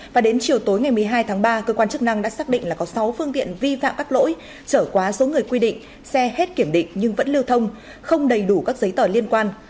và đến chiều tối ngày một mươi hai tháng ba cơ quan chức năng đã xác định là có sáu phương tiện vi phạm các lỗi trở quá số người quy định xe hết kiểm định nhưng vẫn lưu thông không đầy đủ các giấy tờ liên quan